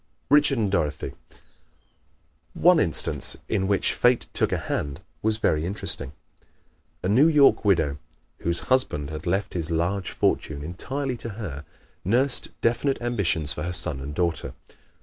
Richard and Dorothy ¶ One instance in which Fate took a hand was very interesting. A New York widow, whose husband had left his large fortune entirely to her, nursed definite ambitions for her son and daughter.